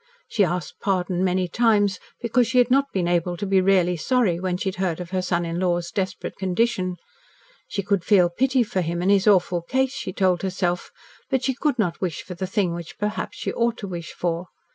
She asked pardon many times because she had not been able to be really sorry when she had heard of her son in law's desperate condition. She could feel pity for him in his awful case, she told herself, but she could not wish for the thing which perhaps she ought to wish for.